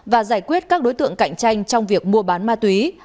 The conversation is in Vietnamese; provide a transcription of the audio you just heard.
và giải quyết các đối tượng cạnh tranh trong việc mua bán ma túy